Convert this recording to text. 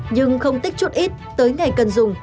nhưng không tích chút ít tới ngày cần dùng